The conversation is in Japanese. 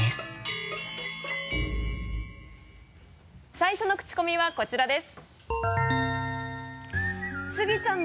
最初のクチコミはこちらです。